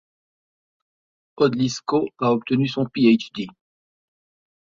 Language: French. Odlyzko a obtenu son Ph.D.